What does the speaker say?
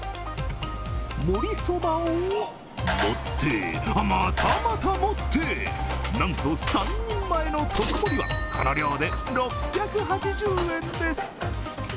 もりそばを盛って、またまた盛って、なんと３人前の特盛りはこの量で６８０円です。